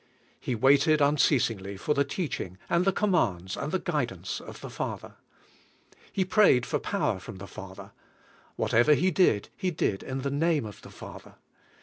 He waited unceasingly for the teaching, and the commands, and the guidance 76 CHRIST OUR LIFE of the Father. He prayed for power from the Father. Whatever He did, He did in the name of the Father.